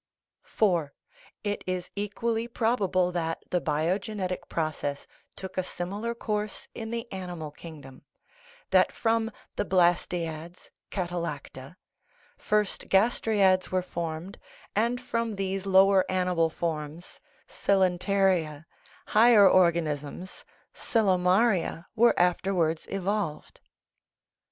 IV. It is equally probable that the biogenetic proc ess took a similar course in the animal kingdom that from the blastaeads (catallacta) first gastraeads were formed, and from these lower animal forms (cce lenteria) higher organisms (coelomaria) were afterwards evolved.